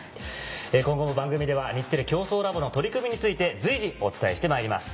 今後も番組では「日テレ共創ラボ」の取り組みについて随時お伝えしてまいります。